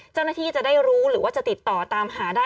เจ้าหน้าที่จะได้รู้หรือว่าจะติดต่อตามหาได้